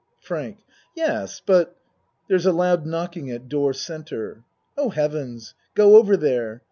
FRANK Yes but (There is a loud knocking at door C.) Oh, heavens! Go over there.